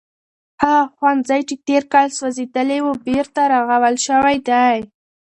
هغه ښوونځی چې تیر کال سوځېدلی و بېرته رغول شوی دی.